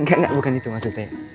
enggak enggak bukan itu maksud saya